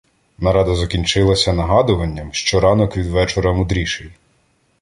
Нарада закінчилася нагадуванням, що ранок від вечора мудріший.